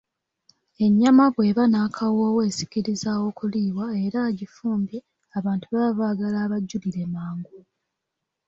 Ennyama bw'eba n'akawoowo esikiriza okuliibwa era agifumbye abantu baba baagala abajjulire mangu.